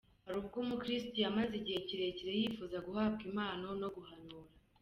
Hari ubwo umukiristu yamaze igihe kirekire yifuza guhabwa impano yo guhanura.